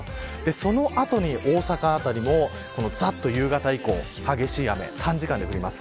その後に大阪辺りもざっと夕方以降に激しい雨が短時間で降ります。